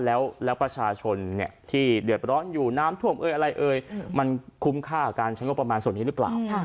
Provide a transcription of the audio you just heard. แล้วประชาชนที่เดือดร้อนอยู่น้ำท่วมเอ่ยอะไรเอ่ยมันคุ้มค่ากับการใช้งบประมาณส่วนนี้หรือเปล่า